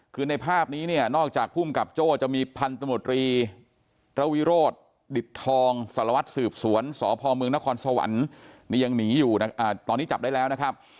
คือในภาพนี้เนี่ยนอกจากภูมิกับโจ้จะมีพันธมตรีระวิโรธดิตทองสารวัตรสืบสวนสพเมืองนครสวรรค์นี่ยังหนีอยู่ตอนนี้จับได้แล้วนะครับ